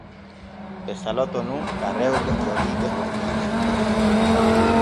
Ɓe caloto nun ka rewɓe oriiɓe holli ɓe.